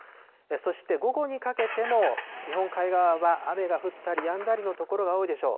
そして、午後にかけても日本海側は雨が降ったりやんだりの所が多いでしょう。